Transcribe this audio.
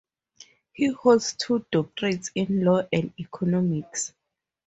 He holds two doctorates in law and economics.